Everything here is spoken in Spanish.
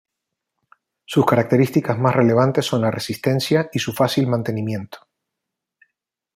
Sus características más relevantes son la resistencia y su fácil mantenimiento.